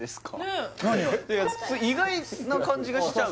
意外な感じがしちゃう